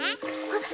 えっ！